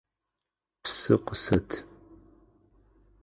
Псы къысэт!